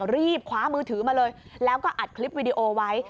รีบคว้ามือถือมาเลยแล้วก็อัดคลิปวิดีโอไว้